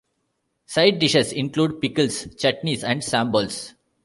Side-dishes include pickles, chutneys and "sambols".